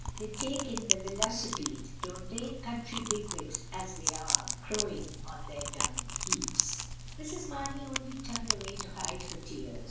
They take in the Velocipede^ don't they? — county bigwigs, as they are, crowing on their dung heaps." Mrs. Mamey only turned away to hide her tears.